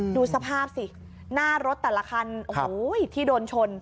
ดูสภาพสิหน้ารถแต่ละคันโอ้โหที่โดนชน